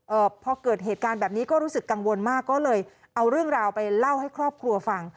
พอเกิดเหตุการณ์แบบนี้ก็รู้สึกกังวลมากก็เลยเอาเรื่องราวไปเล่าให้ครอบครัวฟัง